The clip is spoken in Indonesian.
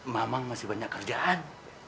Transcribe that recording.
mamang masih banyak kerjaan